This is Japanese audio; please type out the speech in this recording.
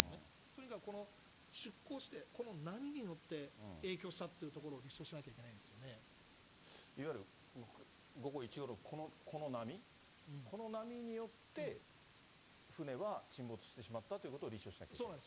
とにかくこの出航して、この波によって影響したっていうところを立証しなきゃいけないんいわゆる、この波、この波によって、船は沈没してしまったということを立証しなきゃいけない？